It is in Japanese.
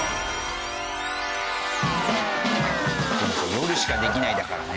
「夜しかできない」だからね。